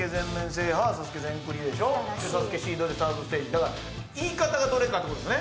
だから言い方がどれかってことですね。